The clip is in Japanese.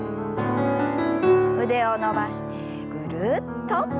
腕を伸ばしてぐるっと。